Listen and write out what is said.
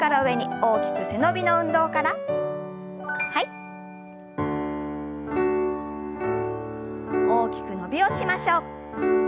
大きく伸びをしましょう。